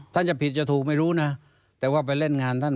จะผิดจะถูกไม่รู้นะแต่ว่าไปเล่นงานท่าน